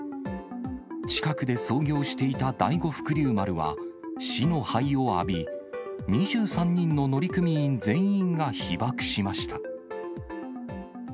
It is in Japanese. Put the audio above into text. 近くで操業していた第五福竜丸は、死の灰を浴び、２３人の乗組員全員が被ばくしました。